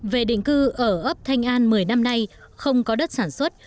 về định cư ở ấp thanh an một mươi năm nay không có đất sản xuất